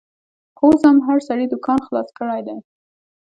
خو اوس هر سړي دوکان خلاص کړیدی